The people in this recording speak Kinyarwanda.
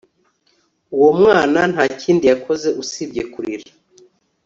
Uwo mwana nta kindi yakoze usibye kurira